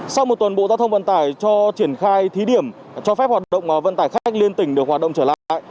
sau một tuần bộ giao thông vận tải cho triển khai thí điểm cho phép hoạt động vận tải khách liên tỉnh được hoạt động trở lại